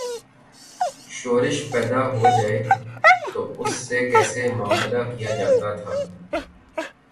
شورش پیدا ہو جائے تو اس سے کیسے معا ملہ کیا جاتا تھا؟